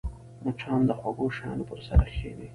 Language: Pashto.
مچان د خوږو شیانو پر سر کښېني